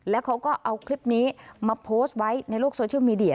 แล้วเขาก็เอาคลิปนี้มาโพสต์ไว้ในโลกโซเชียลมีเดีย